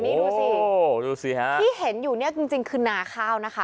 นี่ดูสิดูสิฮะที่เห็นอยู่เนี่ยจริงคือนาข้าวนะคะ